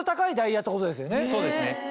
そうですね。